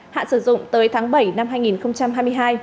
hạn sử dụng tới tháng bảy năm hai nghìn hai mươi hai